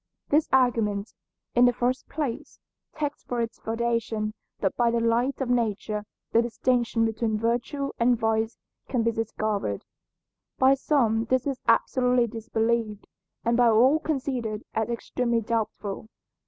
This argument, in the first place, takes for its foundation that by the light of nature the distinction between virtue and vice can be discovered. By some this is absolutely disbelieved, and by all considered as extremely doubtful.